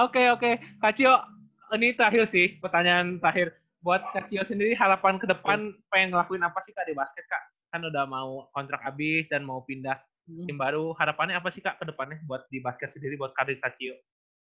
oke oke kak cio ini terakhir sih pertanyaan terakhir buat kak cio sendiri harapan kedepan pengen ngelakuin apa sih di basket kak kan udah mau kontrak abis dan mau pindah tim baru harapannya apa sih kak kedepannya di basket sendiri buat kak cio